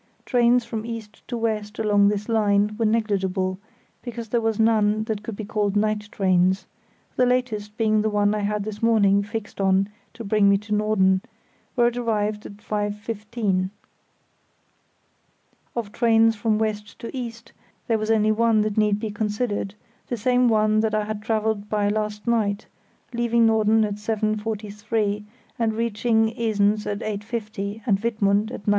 Trains from east to west along this line were negligible, because there were none that could be called night trains, the latest being the one I had this morning fixed on to bring me to Norden, where it arrived at 7.15. Of trains from west to east there was only one that need be considered, the same one that I had travelled by last night, leaving Norden at 7.43 and reaching Esens at 8.50, and Wittmund at 9.13.